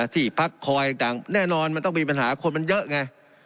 ที่พักคอยต่างแน่นอนมันต้องมีปัญหาคนมันเยอะไง